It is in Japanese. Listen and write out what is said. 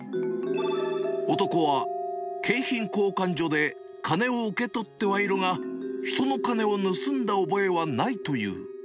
男は景品交換所で金を受け取ってはいるが、人の金を盗んだ覚えはないという。